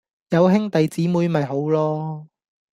有兄弟姐妹咪好囉